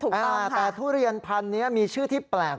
ถูกต้องค่ะแต่ถูเรียนพันธุ์นี้มีชื่อที่แปลก